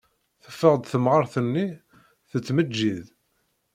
Teffeɣ-d temɣart-nni tettmeǧǧid.